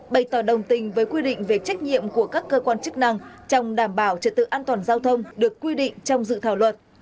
bày tỏ đồng tình với quy định về trách nhiệm của các cơ quan chức năng trong đảm bảo trật tự an toàn giao thông được quy định trong dự thảo luật